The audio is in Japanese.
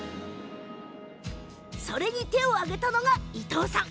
それに手を挙げたのが伊藤さん。